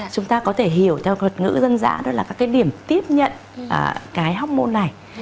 chúng ta có thể hiểu theo thuật ngữ dân dã đó là các điểm tiếp nhận cái hormone này